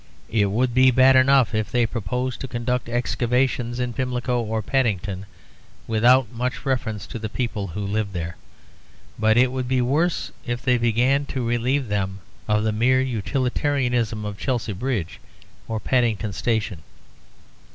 It would be bad enough if they proposed to conduct excavations in Pimlico or Paddington, without much reference to the people who lived there; but it would be worse if they began to relieve them of the mere utilitarianism of Chelsea Bridge or Paddington Station.